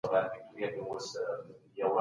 کتابتون ته تلل یو ښه عادت دی.